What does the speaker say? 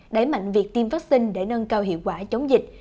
đẩy mạnh việc tiêm vaccine để nâng cao hiệu quả chống dịch